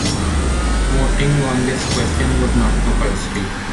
Voting on this question was not compulsory.